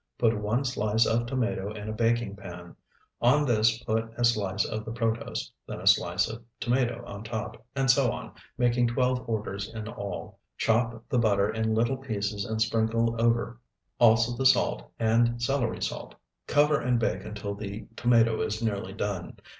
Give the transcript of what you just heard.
Put one slice of tomato in a baking pan; on this put a slice of the protose, then a slice of tomato on top, and so on, making twelve orders in all. Chop the butter in little pieces and sprinkle over, also the salt and celery salt. Cover and bake until the tomato is nearly done.